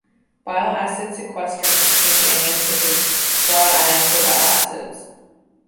Bile acid sequestrants exchange anions such as chloride ions for bile acids.